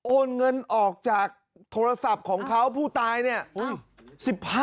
โอนเงินออกจากโทรศัพท์ของเขาผู้ตายเนี่ย